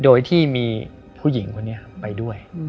โดยที่มีผู้หญิงคนนี้ไปด้วย